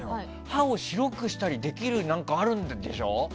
歯を白くしたりできるのがあるんでしょ？